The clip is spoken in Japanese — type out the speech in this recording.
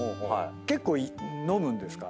結構飲むんですか？